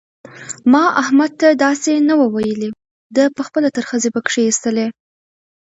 ما احمد ته داسې نه وو ويلي؛ ده په خپله ترخځي په کښېيستلې.